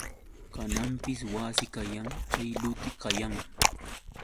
Kananpis wasi kayan chay luti kayan.